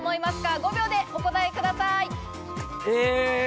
５秒でお答えください。